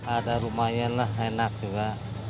ada lumayanlah enak juga